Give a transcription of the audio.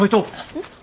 うん？